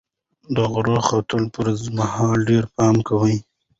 د غره ختلو پر مهال ډېر پام کوئ.